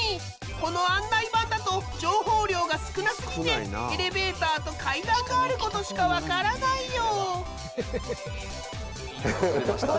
この案内板だと情報量が少なすぎてエレベーターと階段があることしか分からないよ。